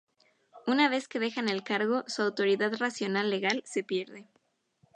Una vez que dejan el cargo, su autoridad racional-legal se pierde.